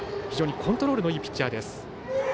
非常にコントロールのいいピッチャーです。